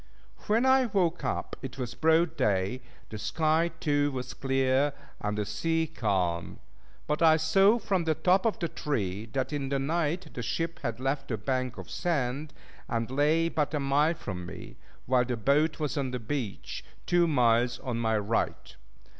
When I woke up it was broad day; the sky too was clear and the sea calm. But I saw from the top of the tree that in the night the ship had left the bank of sand, and lay but a mile from me; while the boat was on the beach, two miles on my right.